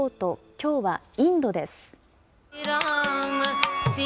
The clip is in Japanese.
きょうはインドです。